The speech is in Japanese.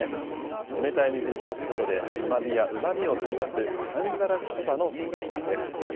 冷たい水にひたすことで、甘みやうまみを引き出す寒ざらしそばの作業です。